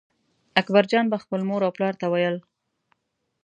اکبرجان به خپل مور او پلار ته ویل.